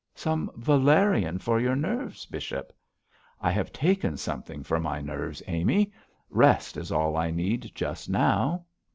'Some valerian for your nerves, bishop ' 'I have taken something for my nerves, Amy. Rest is all I need just now.'